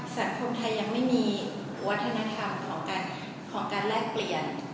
สังคมไทยยังไม่มีวัฒนธรรมของการแลกเปลี่ยน